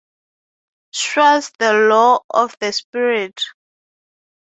Schwartz the Law of the Spirit?